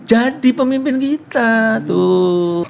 jadi pemimpin kita tuh